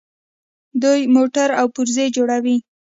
دوی موټرې او پرزې جوړوي.